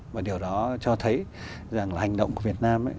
và điều đó cho thấy rằng là hành động của việt nam